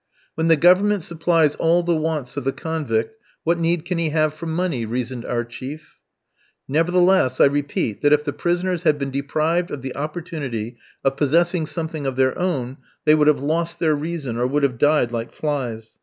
"When the Government supplies all the wants of the convict, what need can he have for money?" reasoned our chief. Nevertheless, I repeat that if the prisoners had been deprived of the opportunity of possessing something of their own, they would have lost their reason, or would have died like flies.